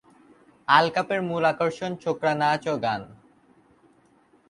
আলকাপের মূল আকর্ষণ ছোকরা নাচ ও গান।